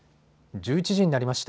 １１時になりました。